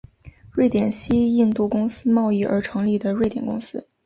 瑞典西印度公司贸易而成立的瑞典公司。